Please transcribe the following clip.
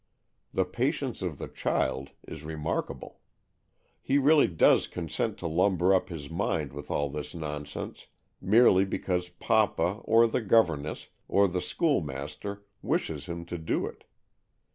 The patience of the child is remarkable. He really does consent to lumber up his mind with all this nonsense, merely because papa, or the governess, or the schoolmaster wishes him to do it.